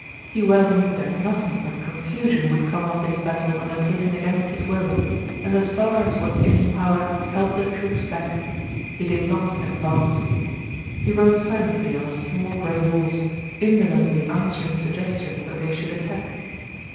He well knew that nothing but confusion would come of this battle undertaken against his will, and as far as was in his power held the troops back. He did not advance. He rode silently on his small gray horse, indolently answering suggestions that they should attack.